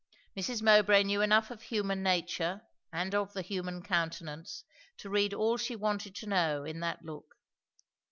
Mrs. Mowbray knew enough of human nature and of the human countenance, to read all she wanted to know in that look.